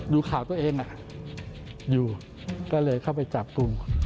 ดูข่าวตัวเองอยู่ก็เลยเข้าไปจับกลุ่ม